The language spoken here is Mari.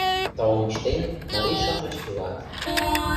Таум ыштен, марий-шамыч илат.